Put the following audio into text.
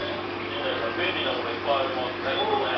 陣内さん、便利なものいっぱいありますね。